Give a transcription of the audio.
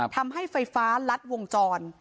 ทำให้ไฟฟ้าลัดวงจร